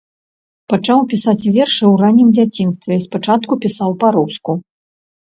Пачаў пісаць вершы ў раннім дзяцінстве, спачатку пісаў па-руску.